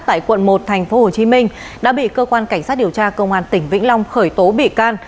tại quận một tp hcm đã bị cơ quan cảnh sát điều tra công an tỉnh vĩnh long khởi tố bị can